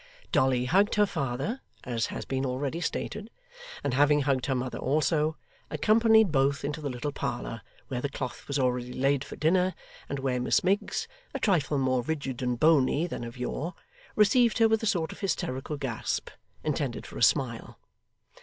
Dolly hugged her father as has been already stated, and having hugged her mother also, accompanied both into the little parlour where the cloth was already laid for dinner, and where Miss Miggs a trifle more rigid and bony than of yore received her with a sort of hysterical gasp, intended for a smile.